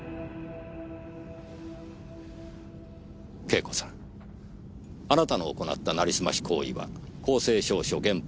慶子さんあなたの行った成りすまし行為は公正証書原本不実